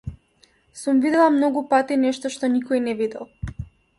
Сум видела многу пати нешто што никој не видел.